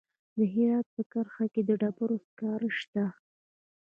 د هرات په کرخ کې د ډبرو سکاره شته.